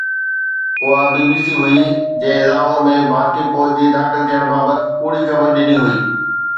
اها B B C هئي جنهن لاهور ۾ ڀارتي فوج جي داخل ٿيڻ بابت ڪوڙي خبر ڏني هئي